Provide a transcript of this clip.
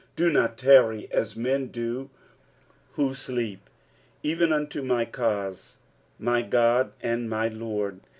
Do not tivrry as men do who sleep. " S!een vnto my eauie, my Ood and my Lsrd."